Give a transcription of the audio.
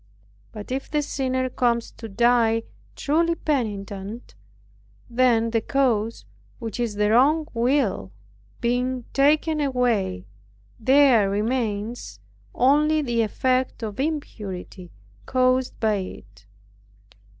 But if the sinner comes to die truly penitent, then the cause, which is the wrong will, being taken away, there remains only the effect or impurity caused by it.